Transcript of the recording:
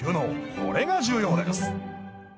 これが重要です